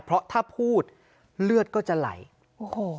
เพราะถ้าพูดเลือดก็จะไหลโอ้โห